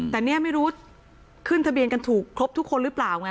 แต่เนี่ยไม่รู้ขึ้นทะเบียนกันถูกครบทุกคนหรือเปล่าไง